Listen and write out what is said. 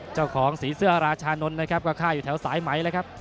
เจ้าของสีเสื้อราชานนท์นะครับก็ฆ่าอยู่แถวสายไหมเลยครับ